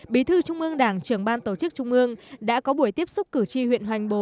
bí thư trung ương đảng trưởng ban tổ chức trung ương đã có buổi tiếp xúc cử tri huyện hoành bồ